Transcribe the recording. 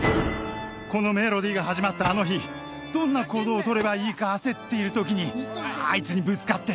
このメロディーが始まったあの日どんな行動をとればいいか焦っているときにあいつにぶつかって。